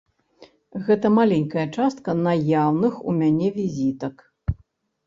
Гэта маленькая частка наяўных у мяне візітак.